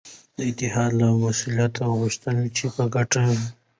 د اتحادیو له مسؤلینو وغوښتل چي په ګډه سره